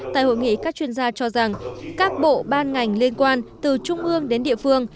tại hội nghị các chuyên gia cho rằng các bộ ban ngành liên quan từ trung ương đến địa phương